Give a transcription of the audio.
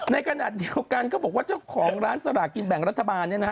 ในขณะเดียวกันเขาบอกว่าเจ้าของร้านสลากินแบ่งรัฐบาล